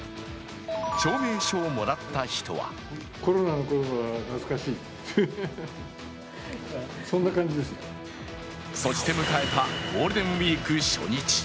証明書をもらった人はそして迎えたゴールデンウイーク初日。